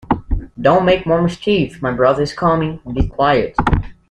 Don’t make more mischief; my brother is coming: be quiet!